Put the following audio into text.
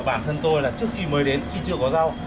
bản thân tôi là trước khi mới đến khi chưa có rau